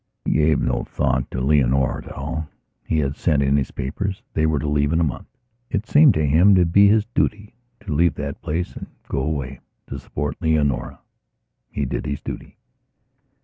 He gave no thought to Leonora at all; he had sent in his papers. They were to leave in a month. It seemed to him to be his duty to leave that place and to go away, to support Leonora. He did his duty.